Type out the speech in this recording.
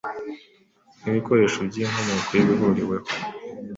nkibikoresho byinkomoko yibihuriweho